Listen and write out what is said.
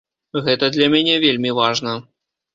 Гэта для мяне вельмі важна.